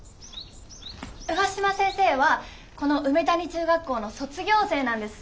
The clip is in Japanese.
上嶋先生はこの梅谷中学校の卒業生なんです。